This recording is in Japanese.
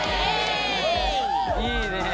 いいねえ。